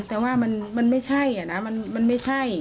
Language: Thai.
แต่ว่ามันไม่ใช่นะมันไม่ใช่